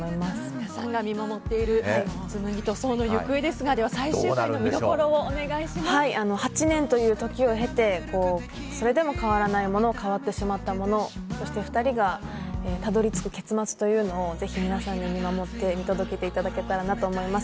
皆さんが見守っている紬と想の行方ですが８年という時を経てそれでも変わらないもの変わってしまったものそして２人がたどり着く結末をぜひ皆さんに見守って見届けていただけたらなと思います。